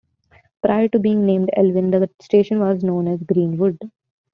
Prior to being named Elwyn, the station was known as Greenwood.